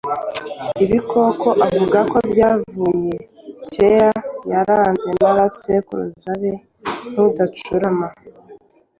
ibikoko avuga ko byapfuye kera yarazwe na ba sekuru be nk’uducurama